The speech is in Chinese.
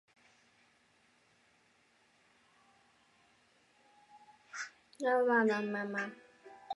罗斯科纳是位于美国加利福尼亚州因皮里尔县的一个非建制地区。